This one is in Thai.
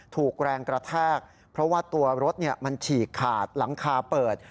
ถูกแรงกระแทกเพราะว่าตัวรถมันฉีกขาดหลังคาเปิด